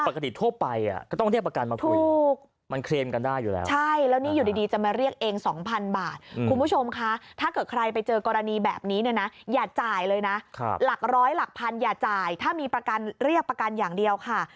ทั่วไปก็ต้องเรียกประกันมาคุยถูกมันเคลมกันได้อยู่แล้วใช่แล้วนี่อยู่ดีจะมาเรียกเอง๒๐๐บาทคุณผู้ชมคะถ้าเกิดใครไปเจอกรณีแบบนี้เนี่ยนะอย่าจ่ายเลยนะหลักร้อยหลักพันอย่าจ่ายถ้ามีประกันเรียกประกันอย่างเดียวค่ะ